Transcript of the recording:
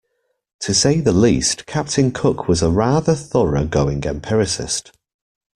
To say the least, Captain Cook was a rather thorough going empiricist.